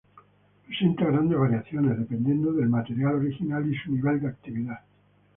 Presenta grandes variaciones, dependiendo del material original y su nivel de actividad.